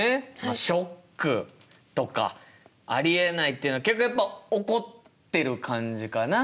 ショックとかありえないっていうのは結局やっぱ怒ってる感じかな？